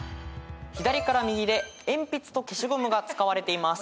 左から右で鉛筆と消しゴムが使われています。